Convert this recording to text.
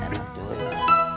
sebelah ini enak juga